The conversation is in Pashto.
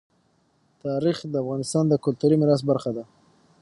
تاریخ د افغانستان د کلتوري میراث برخه ده.